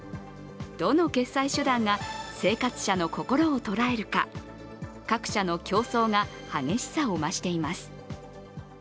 どの決済手段が生活者の心を捉えるか、各社の競争が激しさを増しています。